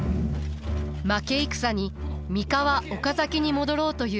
負け戦に三河岡崎に戻ろうという家臣たち。